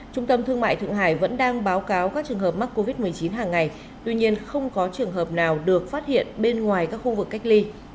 trung tâm thương mại thượng hải vẫn đang báo cáo các trường hợp mắc covid một mươi chín hàng ngày tuy nhiên không có trường hợp nào được phát hiện bên ngoài các khu vực cách ly